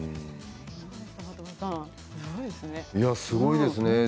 すごいですね。